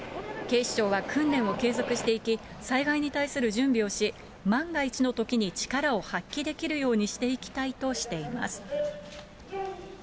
警視庁は訓練を継続していき、災害に対する準備をし、万が一のときに力を発揮できるようにしていきたいとしています。